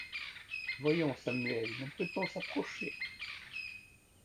Voyons, Samuel, ne peut-on s’approcher ?